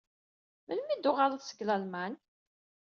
Melmi i d-tuɣaleḍ seg Lalman?